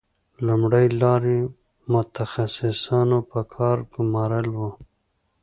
لومړۍ لار یې د متخصصانو په کار ګومارل وو